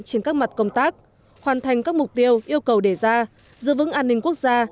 trên các mặt công tác hoàn thành các mục tiêu yêu cầu đề ra giữ vững an ninh quốc gia